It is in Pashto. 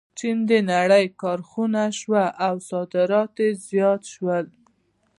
چین د نړۍ کارخانه شوه او صادرات یې زیات شول.